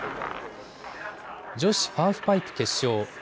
女子ハーフパイプ決勝。